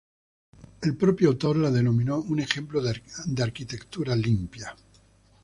El propio autor la denominó un ejemplo de "arquitectura limpia".